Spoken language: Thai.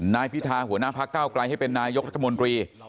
นายพิธาหัวหน้าพระเก้าไกลให้เป็นนายกรัฐมนตรี